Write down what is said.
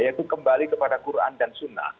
yaitu kembali kepada quran dan sunnah